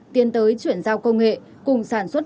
tiến tới chuyển giao công nghệ cùng sản xuất